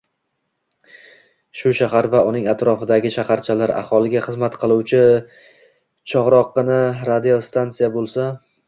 Shu shahar va uning atrofidagi shaharchalar aholisiga xizmat qiluvchi chog‘roqqina radiostansiya bo‘lsa